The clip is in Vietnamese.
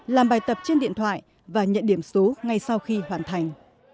làm bài tập trên điện thoại và nhận điểm số ngay sau khi hoàn thành